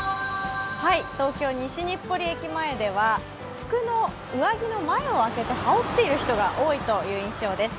東京・西日暮里駅前では服の上着の前を開けて羽織っている人が多いという印象です。